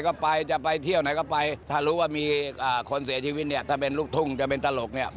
ไม่ใช่ครับลูกผมจบริยาโทและจัดการความโชค